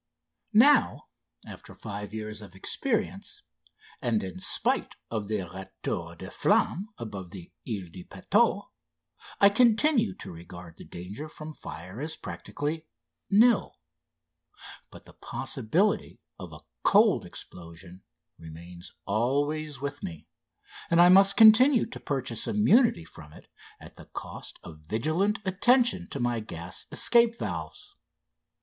Now, after five years of experience, and in spite of the retour de flamme above the Ile de Puteaux, I continue to regard the danger from fire as practically nil; but the possibility of a "cold" explosion remains always with me, and I must continue to purchase immunity from it at the cost of vigilant attention to my gas escape valves.